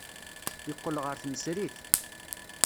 Yeqqel ɣer tmesrit.